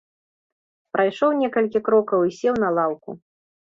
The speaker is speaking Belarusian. Прайшоў некалькі крокаў і сеў на лаўку.